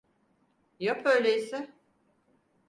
Yap öyleyse.